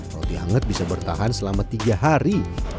roti hangat bisa bertahan selama tiga hari